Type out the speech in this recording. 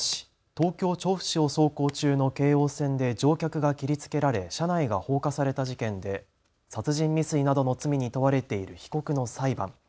東京調布市を走行中の京王線で乗客が切りつけられ車内が放火された事件で殺人未遂などの罪に問われている被告の裁判。